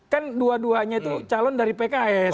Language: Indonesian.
kan dua duanya itu calon dari pks